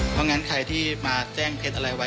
เพราะงั้นใครที่มาแจ้งเท็จอะไรไว้